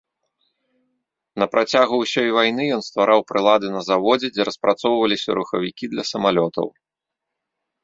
На працягу ўсёй вайны ён ствараў прылады на заводзе, дзе распрацоўваліся рухавікі для самалётаў.